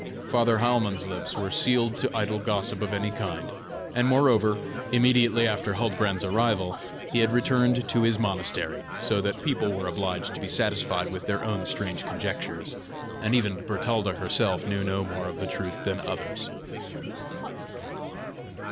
Father Heilmann's lips were sealed to idle gossip of any kind, and moreover, immediately after Huldbrand's arrival, he had returned to his monastery; so that people were obliged to be satisfied with their own strange conjectures, and even Bertalda herself knew no more of the truth than others.